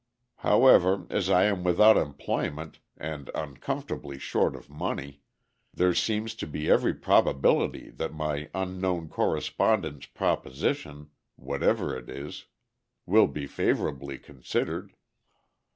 However, as I am without employment and uncomfortably short of money, there seems to be every probability that my unknown correspondent's proposition, whatever it is, will be favorably considered.